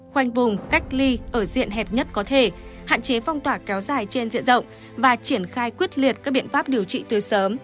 khoanh vùng cách ly ở diện hẹp nhất có thể hạn chế phong tỏa kéo dài trên diện rộng và triển khai quyết liệt các biện pháp điều trị từ sớm